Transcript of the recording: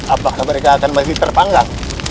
apakah mereka akan masih tertanggal